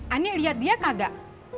ani liat dia kagak